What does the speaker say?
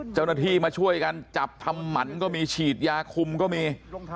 เจ้าหน้าที่มาช่วยกันจับทำหมันก็มีฉีดยาคุมก็มี